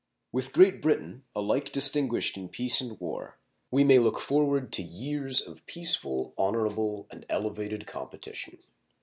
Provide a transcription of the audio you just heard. With Great Britain, alike distinguished in peace and war, we may look forward to years of peaceful, honorable, and elevated competition.